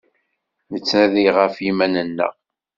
Nettnadi γef yiman-nneγ.